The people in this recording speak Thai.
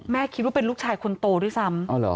แม่คิดว่าเป็นลูกชายคนโตที่สำนั้น